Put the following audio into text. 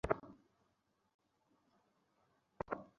আরে, পান খাও, জানি তো!